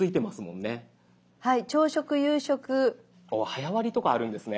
早割とかあるんですね。